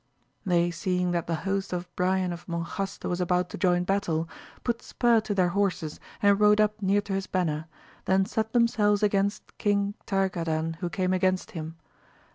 They seeing that the host of Brian of Mon jaste was about to join battle, put spur to their horses and rode up near to his banner, then set themselves against King Targadan who came against him.